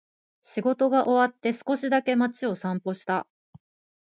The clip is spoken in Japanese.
仕事が終わって、少しだけ街を散歩した。